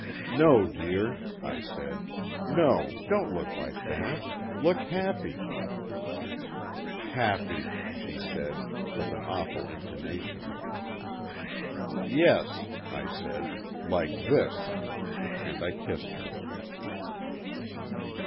"No, dear," I said, "no, don't look like that. Look happy——" "Happy!" she said, with an awful intonation. "Yes," I said, "like this!" and I kissed her.